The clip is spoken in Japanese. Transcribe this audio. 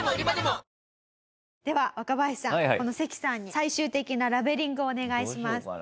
セキさんに最終的なラベリングをお願いします。